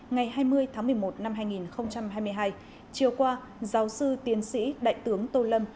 ngày hai mươi tháng một mươi một năm hai nghìn hai mươi hai chiều qua giáo sư tiến sĩ đại tướng tô lâm